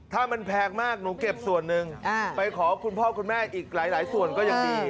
ถ้ามันแพงมากหนูเก็บส่วนหนึ่งไปขอคุณพ่อคุณแม่อีกหลายส่วนก็ยังดี